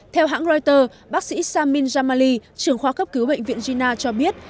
theo hãng reuters bác sĩ samin jamali trưởng khoa cấp cứu bệnh viện jina cho biết